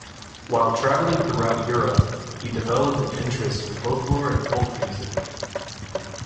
While traveling throughout Europe, he developed an interest in folklore and folk music.